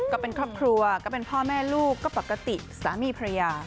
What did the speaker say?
ก็เป็นครอบครัวก็เป็นพ่อแม่ลูกก็ปกติสามีภรรยา